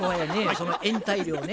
その延滞料ね